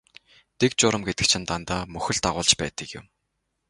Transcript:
Дэг журам гэдэг чинь дандаа мөхөл дагуулж байдаг юм.